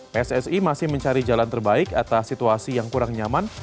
pssi masih mencari jalan terbaik atas situasi yang kurang nyaman